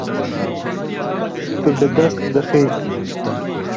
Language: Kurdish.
Tu bi dest dixî.